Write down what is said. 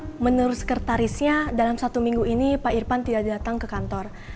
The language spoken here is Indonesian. tapi menurut sekretarisnya dalam satu minggu ini pak irfan tidak datang ke kantor